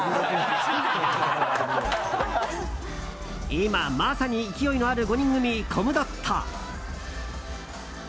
今まさに勢いのある５人組コムドット。